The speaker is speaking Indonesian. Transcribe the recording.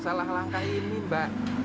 salah langkah ini mba